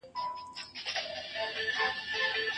ښځه د ژوند په سختو شرایطو کي د استقامت او همت بېلګه ده